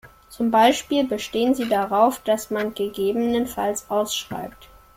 Zum Beispiel bestehen sie darauf, dass man gegebenenfalls ausschreibt.